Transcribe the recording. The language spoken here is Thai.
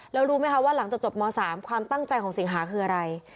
แล้วรู้ไหมคะว่าหลังจากจบม๓ความตั้งใจของสิงหาคืออะไร